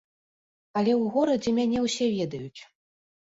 Але ў горадзе мяне ўсе ведаюць.